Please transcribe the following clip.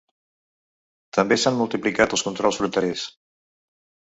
També s’han multiplicat els controls fronterers.